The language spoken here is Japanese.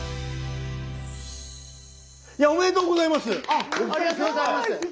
ありがとうございます。